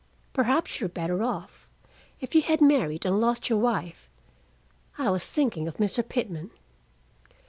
"Perhaps you're better off: if you had married and lost your wife " I was thinking of Mr. Pitman.